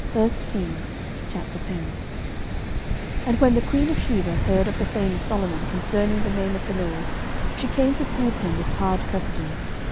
11:010:001 And when the queen of Sheba heard of the fame of Solomon concerning the name of the LORD, she came to prove him with hard questions.